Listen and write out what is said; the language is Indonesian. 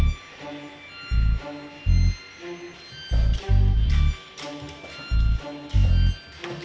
komandan trc bpbddiy